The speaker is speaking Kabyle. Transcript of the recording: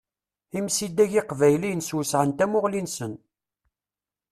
Imsidag iqbayliyen swesɛen tamuɣli-nsen.